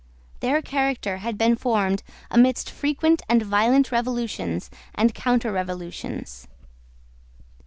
Their character had been formed amidst frequent and violent revolutions and counterrevolutions.